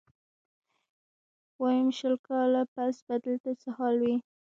ويم شل کاله پس به دلته څه حال وي.